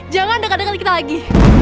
jangan dekat dekat kita lagi